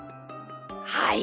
はい。